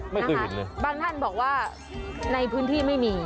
บางท่านบอกว่าในพื้นที่ไม่มี